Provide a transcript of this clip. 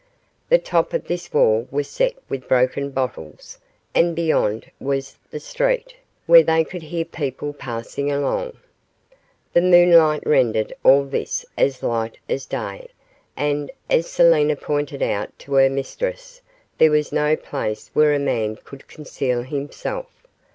The top of this wall was set with broken bottles, and beyond was the street, where they could hear people passing along. The moonlight rendered all this as light as day, and, as Selina pointed out to her mistress, there was no place where a man could conceal himself.